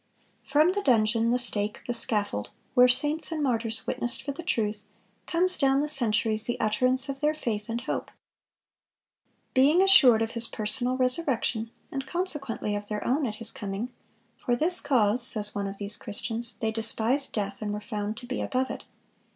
(466) From the dungeon, the stake, the scaffold, where saints and martyrs witnessed for the truth, comes down the centuries the utterance of their faith and hope. Being "assured of His personal resurrection, and consequently of their own at His coming, for this cause," says one of these Christians, "they despised death, and were found to be above it."